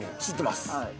知ってます。